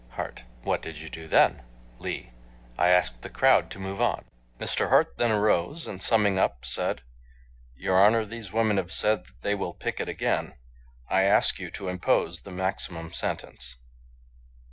HART: What did you do then? LEE: I asked the crowd to move on. Mr. Hart then arose and summing up said: "Your Honor, these women have said that they will picket again. I ask you to impose the maximum sentence."